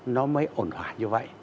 nó mới ổn hòa như vậy